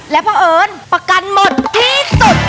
และเพราะเอิญประกันหมดที่สุด